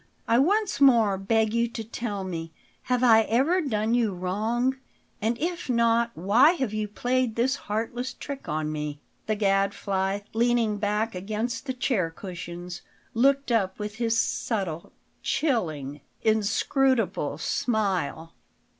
I once more beg you to tell me: Have I ever done you wrong? And if not, why have you played this heartless trick on me?" The Gadfly, leaning back against the chair cushions, looked up with his subtle, chilling, inscrutable smile.